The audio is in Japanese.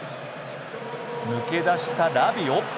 抜け出したラビオ。